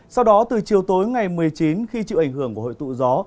sau đó từ chiều tối ngày một mươi chín khi chịu ảnh hưởng của hội tụ gió